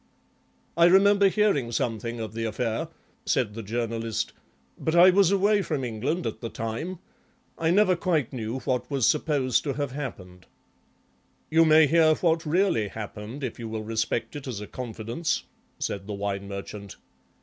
"I remember hearing something of the affair," said the Journalist, "but I was away from England at the time. I never quite knew what was supposed to have happened." "You may hear what really happened if you will respect it as a confidence," said the Wine Merchant.